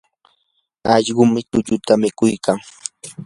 allqum tulluta mikuykan.